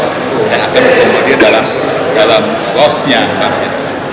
dan akan berpengaruh dalam loss nya kandasnya